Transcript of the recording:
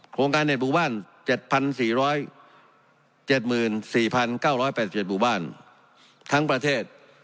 โครงการเน็ตบุบัน๗๔๗๔๙๘๗บุบันทั้งประเทศ